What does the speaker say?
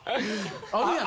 あるやん。